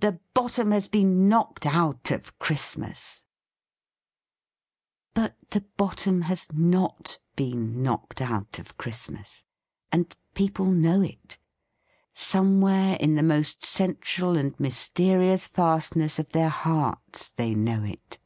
The bottom has been knocked out of Christmas I" 4: !(( 4: 4e But the bottom has not been knocked out of Christmas. And people know it. Somewhere, in the most central and mysterious fastness of their hearts, they know it.